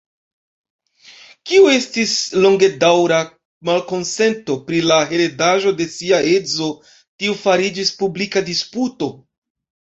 Kio estis longedaŭra malkonsento pri la heredaĵo de sia edzo, tio fariĝis publika disputo.